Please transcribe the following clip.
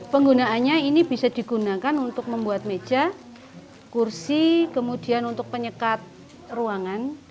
penggunaannya ini bisa digunakan untuk membuat meja kursi kemudian untuk penyekat ruangan